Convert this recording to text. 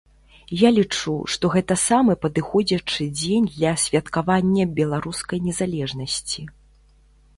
Я лічу, што гэта самы падыходзячы дзень для святкавання беларускай незалежнасці.